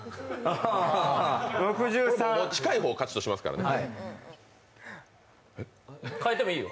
近い方を勝ちとしますからね。